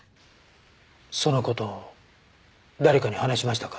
その事を誰かに話しましたか？